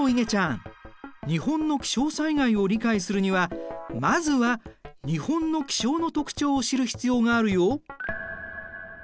日本の気象災害を理解するにはまずは日本の気象の特徴を知る必要があるよ。